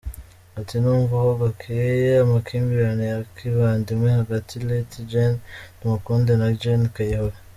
Ati: “Numvaho gakeya amakimbirane ya kivandimwe hagati Lt. Gen. Tumukunde na Gen. Kayihura.